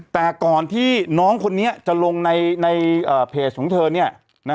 แต่ก่อนที่น้องคนนี้จะลงในเพจของเธอ